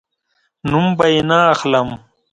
نوم به یې نه اخلم